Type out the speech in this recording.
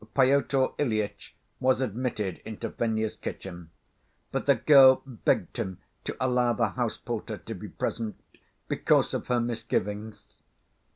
Pyotr Ilyitch was admitted into Fenya's kitchen, but the girl begged him to allow the house‐porter to be present, "because of her misgivings."